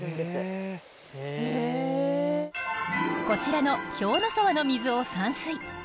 こちらの兵の沢の水を散水。